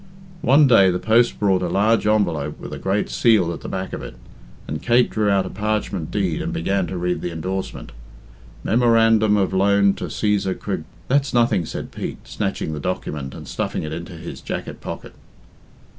One day the post brought a large envelope with a great seal at the back of it, and Kate drew out a parchment deed and began to read the indorsement "'Memorandum of loan to Cæsar Cre '" "That's nothing," said Pete, snatching the document and stuffing it into his jacket pocket.